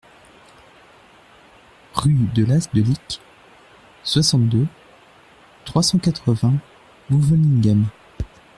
Rue de l'As de Licques, soixante-deux, trois cent quatre-vingts Bouvelinghem